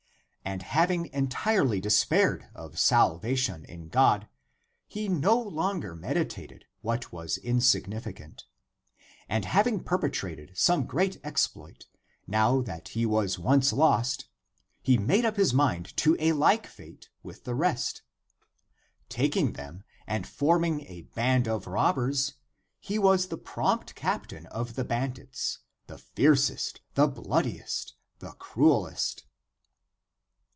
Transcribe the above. And having entirely despaired of salvation in God, he no longer meditated what was insignifi cant, but having perpetrated some great exploit, now that he was once lost, he made up his mind to a like fate with the rest. Taking them and forming a band of robbers, he was the prompt captain of the bandits, the fiercest, the bloodiest, the crudest.